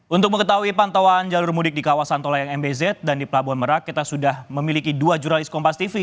untuk mengetahui pantauan jalur mudik di kawasan tol layang mbz dan di pelabuhan merak kita sudah memiliki dua jurnalis kompas tv